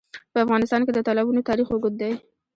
په افغانستان کې د تالابونه تاریخ اوږد دی.